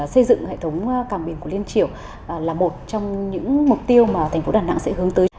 xây dựng hệ thống cảng biển của liên triều là một trong những mục tiêu mà thành phố đà nẵng sẽ hướng tới